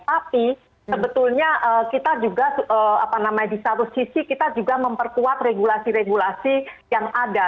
tapi sebetulnya kita juga di satu sisi kita juga memperkuat regulasi regulasi yang ada